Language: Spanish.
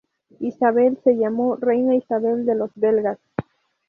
Isabel se llamó Reina Isabel de los Belgas.